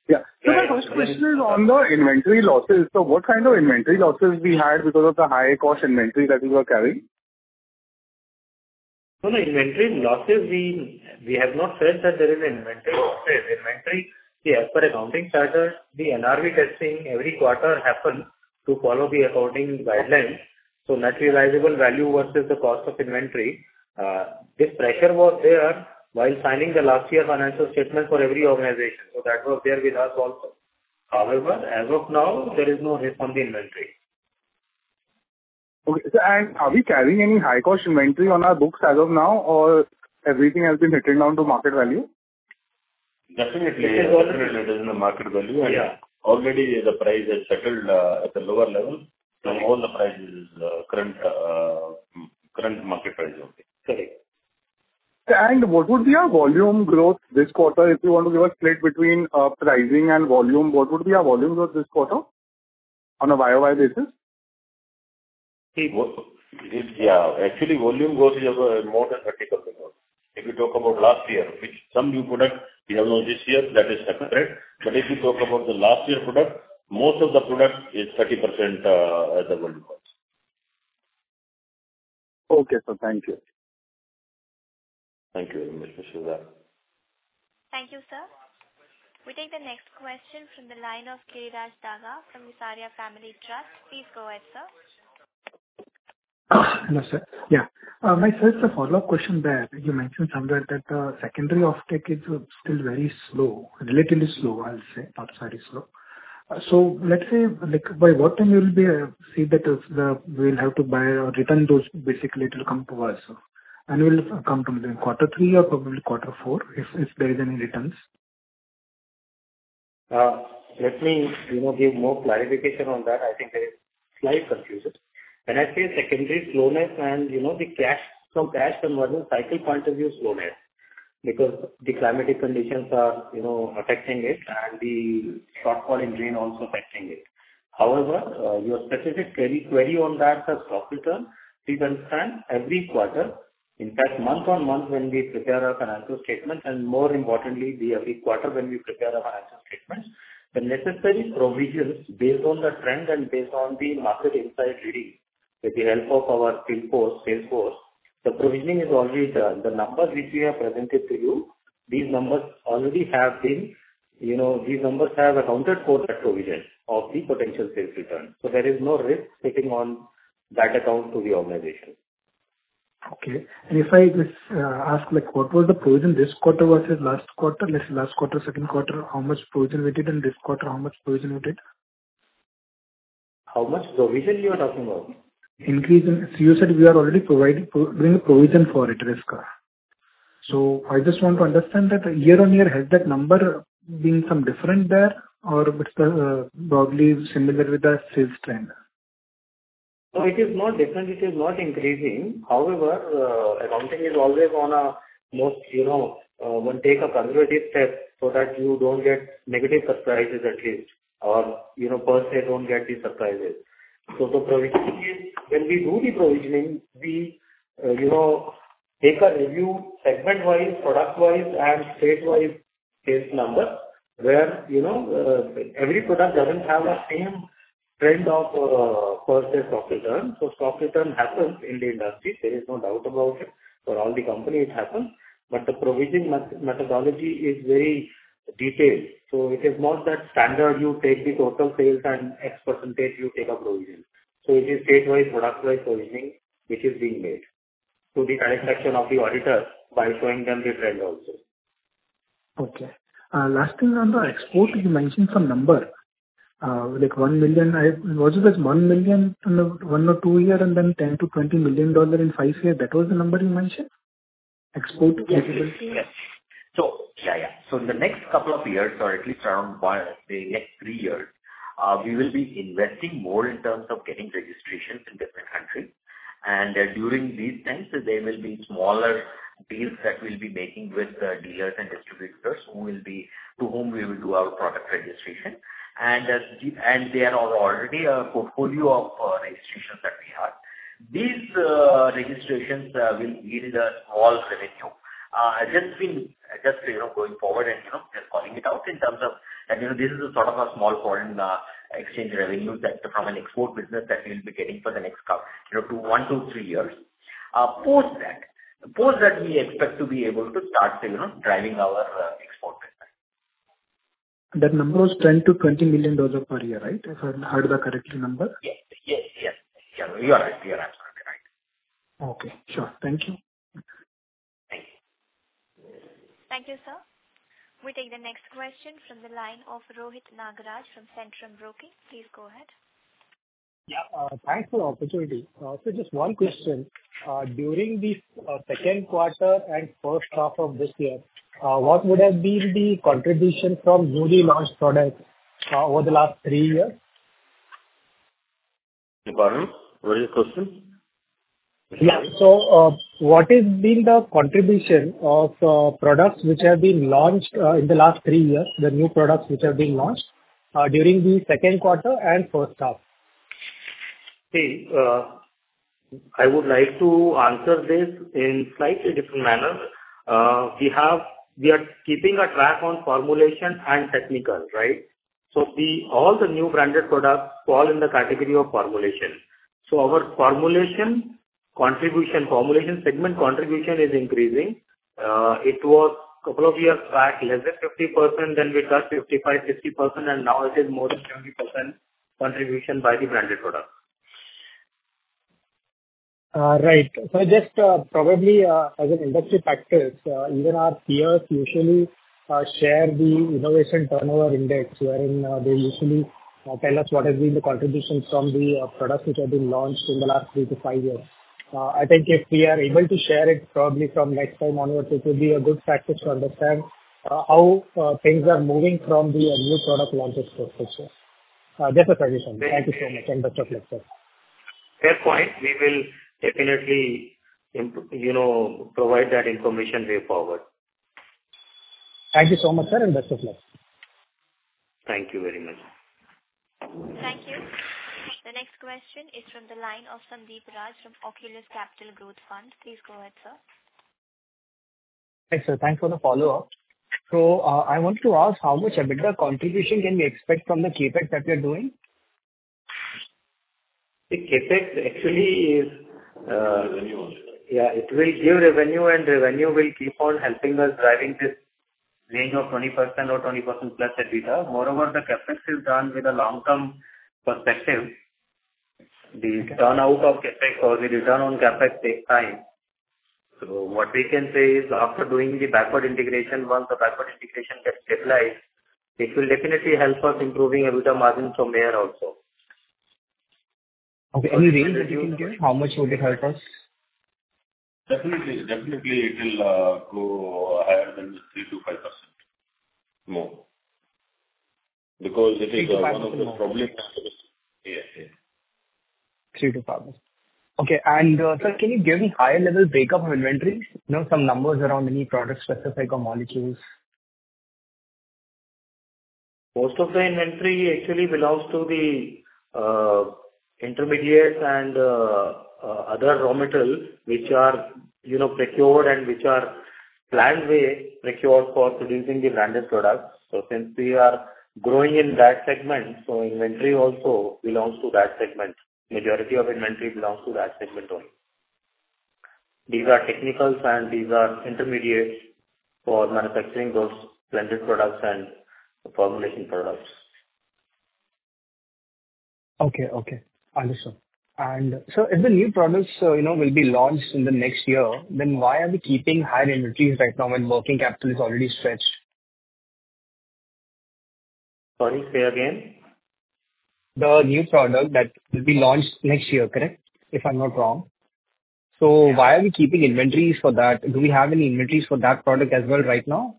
Yeah. The first question is on the inventory losses. What kind of inventory losses we had because of the high cost inventory that we were carrying? So the inventory losses, we have not said that there is an inventory loss. Inventory, see, as per accounting charter, the NRV testing every quarter happens to follow the accounting guidelines. So net realizable value versus the cost of inventory. This pressure was there while signing the last year financial statement for every organization, so that was there with us also. However, as of now, there is no risk on the inventory. Okay, sir. And are we carrying any high-cost inventory on our books as of now, or everything has been written down to market value? Definitely. Definitely, it is in the market value. Yeah. Already the price has settled at a lower level, and all the price is current market price. Okay. Correct. And what would be our volume growth this quarter? If you want to give a split between pricing and volume, what would be our volume growth this quarter on a YOY basis? It will, yeah. Actually, volume growth is over more than 30%. If you talk about last year, which some new product we have launched this year, that is separate. But if you talk about the last year product, most of the product is 30%, as a volume growth. Okay, sir, thank you. Thank you very much, Mr. Siddharth. Thank you, sir. We take the next question from the line of Giriraj Daga from Visaria Family Trust. Please go ahead, sir. Hello, sir. Yeah. My first follow-up question there, you mentioned, somewhat, that the secondary offtake is still very slow, relatively slow, I'll say, not very slow. So let's say, like, by what time you'll be... We'll have to buy or return those, basically, it will come to us, and will come to the quarter three or probably quarter four, if, if there is any returns. Let me, you know, give more clarification on that. I think there is slight confusion. When I say secondary slowness and, you know, the cash, from cash conversion cycle point of view, slowness, because the climatic conditions are, you know, affecting it and the shortfall in rain also affecting it. However, your specific query, query on that stock return, we understand every quarter, in fact, month-on-month, when we prepare our financial statement, and more importantly, the every quarter when we prepare our financial statements, the necessary provisions based on the trend and based on the market insight reading, with the help of our field force, sales force, the provisioning is already done. The numbers which we have presented to you, these numbers already have been, you know, these numbers have accounted for that provision of the potential sales return, so there is no risk taking on that account to the organization. Okay. And if I just ask, like, what was the provision this quarter versus last quarter, second quarter, how much provision we did, and this quarter, how much provision we did? How much provision you are talking about? Increase in... You said we are already providing provision for it, risk. So I just want to understand that year-on-year, has that number been some different there or it's probably similar with the sales trend? So it is not different, it is not increasing. However, accounting is always on a most, you know, one take a conservative step so that you don't get negative surprises at least, or, you know, per se, don't get the surprises. So the provisioning is, when we do the provisioning, we, you know, take a review segment-wise, product-wise, and state-wise case number, where, you know, every product doesn't have the same trend of purchase stock return. So stock return happens in the industry, there is no doubt about it. For all the company, it happens, but the provisioning methodology is very detailed, so it is not that standard you take the total sales and X percentage, you take a provision. So it is state-wise, product-wise provisioning which is being made to the direct action of the auditor by showing them the trend also. Okay. Last thing on the export, you mentioned some number, like $1 million. Was it as $1 million in the 1 or 2 year, and then $10 million-$20 million in 5 year? That was the number you mentioned, export capability? Yes. So yeah, yeah. So in the next couple of years, or at least around by the next 3 years, we will be investing more in terms of getting registrations in different countries. And during these times, there will be smaller deals that we'll be making with, dealers and distributors, who will be... To whom we will do our product registration. And, and they are all already a portfolio of, registrations that we have. These, registrations, will yield a small revenue. Just being, just, you know, going forward and, you know, just calling it out in terms of, and, you know, this is a sort of a small foreign, exchange revenue that from an export business that we'll be getting for the next couple, you know, to 1 to 3 years. Post that, post that we expect to be able to start, you know, driving our export business. That number was $10-$20 million per year, right? If I heard the correct number. Yes, yes, yes. You are right. You are absolutely right. Okay, sure. Thank you. Thank you, sir. We take the next question from the line of Rohit Nagraj from Centrum Broking. Please go ahead. Yeah, thanks for the opportunity. Just one question. During the second quarter and first half of this year, what would have been the contribution from newly launched products over the last three years? Sorry, what is the question? Yeah. So, what has been the contribution of products which have been launched in the last three years, the new products which have been launched during the second quarter and first half?... See, I would like to answer this in slightly different manner. We are keeping a track on formulation and technical, right? So the, all the new branded products fall in the category of formulation. So our formulation, contribution formulation, segment contribution is increasing. It was couple of years back, less than 50%, then we got 55, 60%, and now it is more than 70% contribution by the branded product. Right. So just probably as an industry practice, even our peers usually share the innovation turnover index, wherein they usually tell us what has been the contribution from the products which have been launched in the last three to five years. I think if we are able to share it probably from next time onwards, it will be a good practice to understand how things are moving from the new product launches perspective. Just a suggestion. Thank you so much, and best of luck, sir. Fair point. We will definitely, you know, provide that information way forward. Thank you so much, sir, and best of luck. Thank you very much. Thank you. The next question is from the line of Sandeep Raj from Oculus Capital Growth Fund. Please go ahead, sir. Hi, sir. Thanks for the follow-up. I want to ask how much EBITDA contribution can we expect from the CapEx that we are doing? The CapEx actually is, Revenue. Yeah, it will give revenue, and revenue will keep on helping us driving this range of 20% or 20%+ EBITDA. Moreover, the CapEx is done with a long-term perspective. The return out of CapEx or the return on CapEx takes time. So what we can say is, after doing the backward integration, once the backward integration gets stabilized, it will definitely help us improving EBITDA margins from there also. Okay, any range that you can give, how much would it hurt us? Definitely, definitely it will go higher than 3%-5% more, because it is one of the probably factors. Yeah, yeah. 3-5. Okay, and, sir, can you give me higher level breakup of inventories? You know, some numbers around any product specific or molecules. Most of the inventory actually belongs to the intermediates and other raw materials, which are, you know, procured and which are planned way procured for producing the branded products. Since we are growing in that segment, so inventory also belongs to that segment. Majority of inventory belongs to that segment only. These are technicals, and these are intermediates for manufacturing those blended products and the formulation products. Okay, okay. Understood. And so if the new products, you know, will be launched in the next year, then why are we keeping high inventories right now when working capital is already stretched? Sorry, say again? The new product that will be launched next year, correct? If I'm not wrong. So why are we keeping inventories for that? Do we have any inventories for that product as well right now?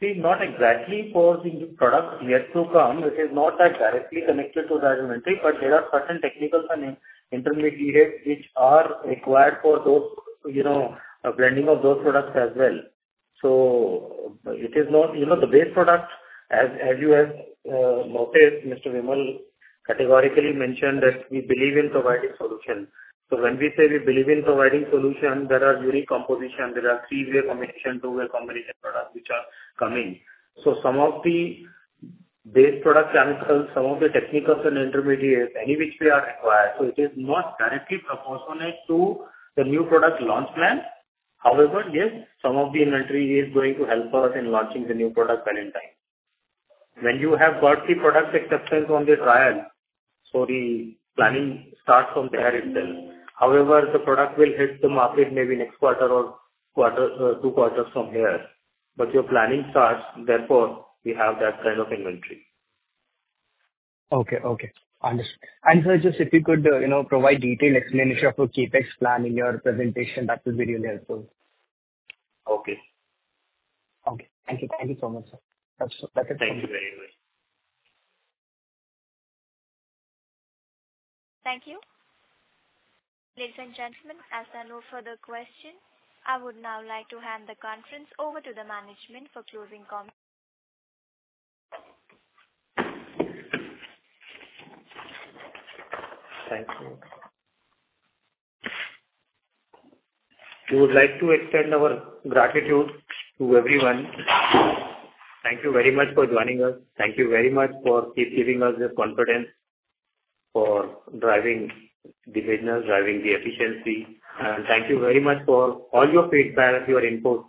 See, not exactly for the new product yet to come, which is not that directly connected to that inventory, but there are certain technical and intermediates which are required for those, you know, blending of those products as well. So it is not, you know, the base product, as you have noticed, Mr. Vimal categorically mentioned that we believe in providing solutions. So when we say we believe in providing solutions, there are unique composition, there are three-way combination, two-way combination products which are coming. So some of the base product chemicals, some of the technicals and intermediates, any which way are required, so it is not directly proportionate to the new product launch plan. However, yes, some of the inventory is going to help us in launching the new product when in time. When you have got the product acceptance on the trial, so the planning starts from there itself. However, the product will hit the market maybe next quarter or quarter, two quarters from here, but your planning starts, therefore, we have that kind of inventory. Okay, okay. Understood. And, sir, just if you could, you know, provide detailed explanation of your CapEx plan in your presentation, that will be really helpful. Okay. Okay. Thank you. Thank you so much, sir. That's it. Thank you very much. Thank you. Ladies and gentlemen, as there are no further questions, I would now like to hand the conference over to the management for closing comments. Thank you. We would like to extend our gratitude to everyone. Thank you very much for joining us. Thank you very much for keep giving us the confidence for driving the business, driving the efficiency. Thank you very much for all your feedback, your input.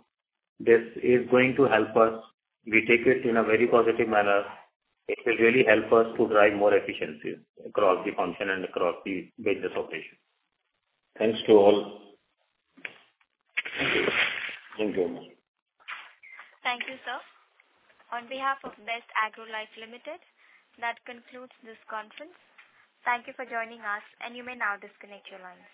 This is going to help us. We take it in a very positive manner. It will really help us to drive more efficiency across the function and across the business operation. Thanks to all. Thank you. Thank you very much. Thank you, sir. On behalf of Best Agrolife Limited, that concludes this conference. Thank you for joining us, and you may now disconnect your lines.